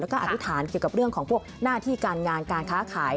แล้วก็อธิษฐานเกี่ยวกับเรื่องของพวกหน้าที่การงานการค้าขาย